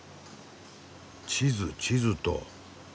地図地図と。